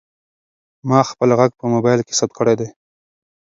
ما خپل غږ په موبایل کې ثبت کړی دی.